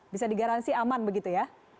bisa digaransi aman begitu ya